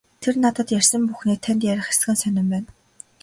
Тэр надад ярьсан бүхнээ танд ярих эсэх нь сонин байна.